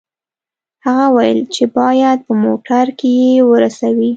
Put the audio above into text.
هغه وویل چې باید په موټر کې یې ورسوي